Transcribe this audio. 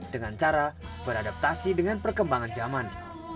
dengan cara beradaptasi dengan perkembangan zaman